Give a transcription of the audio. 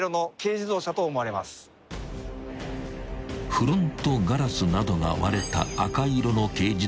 ［フロントガラスなどが割れた赤色の軽自動車］